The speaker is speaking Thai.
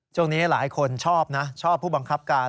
ช่วงนี้หลายคนชอบนะชอบผู้บังคับการ